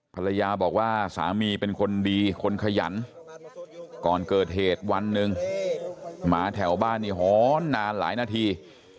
ภรรยาบอกว่าสามีเป็นคนดีคนขยันก่อนเกิดเหตุวันหนึ่งหมาแถวบ้านนี่หอนนานหลายนาที